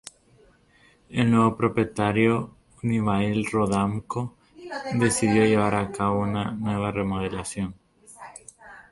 El nuevo propietario, Unibail-Rodamco, decidió llevar a cabo una nueva remodelación.